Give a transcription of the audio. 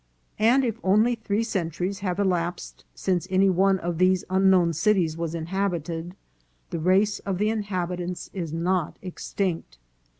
And if only three centuries have elapsed since any one of these unknown cities was in habited, the race of the inhabitants is not extinct.